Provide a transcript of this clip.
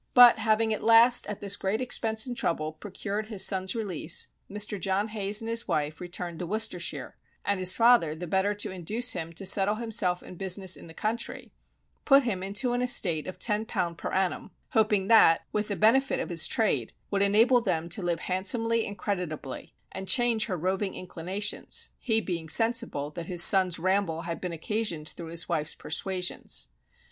But having at last, at this great expense and trouble, procured his son's release, Mr. John Hayes and his wife returned to Worcestershire; and his father the better to induce him to settle himself in business in the country, put him into an estate of ten pound per annum, hoping that, with the benefit of his trade, would enable them to live handsomely and creditably, and change her roving inclinations, he being sensible that his son's ramble had been occasioned through his wife's persuasions.